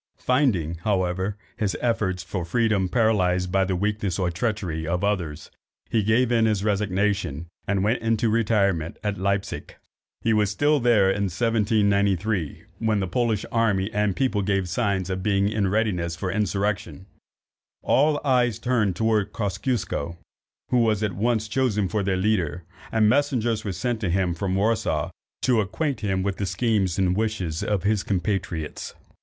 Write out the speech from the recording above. Finding, however, his efforts for freedom paralysed by the weakness or treachery of others, he gave in his resignation, and went into retirement at Leipsic. He was still there in 1793, when the Polish army and people gave signs of being in readiness for insurrection. All eyes were turned towards Kosciusko, who was at once chosen for their leader, and messengers were sent to him from Warsaw to acquaint him with the schemes and wishes of his compatriots.